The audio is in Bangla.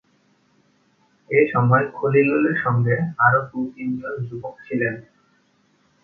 এ সময় খলিলুরের সঙ্গে আরও দু তিনজন যুবক ছিলেন।